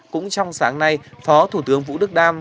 cũng trong sáng nay phó thủ tướng vũ đức đam